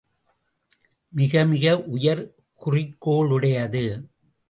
மிக மிக உயர் குறிக்கோளுடையது.